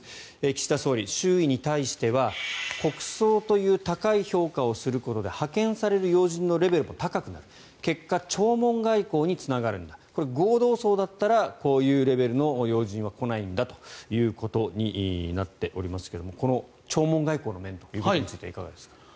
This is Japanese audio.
岸田総理、周囲に対しては国葬という高い評価をすることで派遣される要人のレベルも高くなり結果、弔問外交につながるんだとこれは合同葬だったらこういうレベルの要人は来ないんだということになっておりますけれどこの弔問外交の面ということについてはいかがでしょうか。